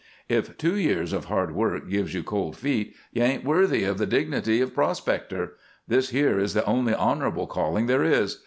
"If two years of hard luck gives you cold feet, you ain't worthy of the dignity of 'prospector.' This here is the only honorable calling there is.